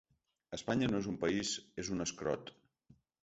Espanya no és un país, és un escrot.